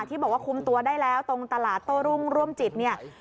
ที่บอกว่าคุมตัวได้แล้วตรงตลาดโต้รุ่งร่วมจิตเนี่ย